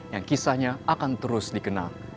yang kisahnya akan terus dikenal